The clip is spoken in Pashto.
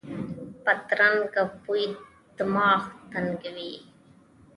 بدرنګه بوی دماغ تنګوي